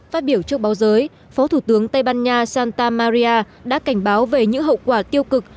phát biểu trước báo giới phó thủ tướng tây ban nha santa maria đã cảnh báo về những hậu quả tiêu cực